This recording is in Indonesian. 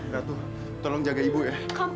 ratu tolong jaga ibu ya